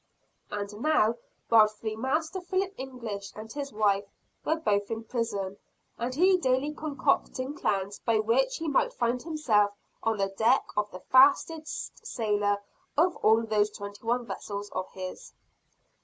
And now wealthy Master Philip English and his wife were both in prison; and he daily concocting plans by which he might find himself on the deck of the fastest sailer of all those twenty one vessels of his.